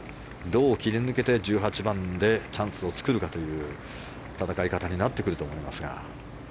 どう切り抜けて１８番でチャンスを作るかという戦い方になってくると思いますが。